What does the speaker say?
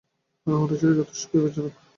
আরোহণটা ছিল যথেষ্ট বিপজ্জনক।